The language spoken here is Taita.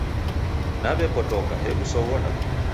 Naw'epotoka hebu soghoda